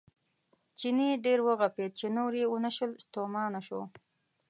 چیني ډېر وغپېد چې نور یې ونه شول ستومانه شو.